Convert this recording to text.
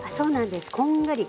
こんがり。